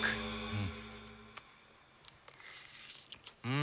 うん！